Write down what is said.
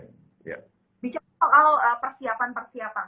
bicara soal persiapan persiapan